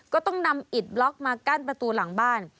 ก็ต้องนำอิดบล็อกมากั้นประตูหลังบ้าน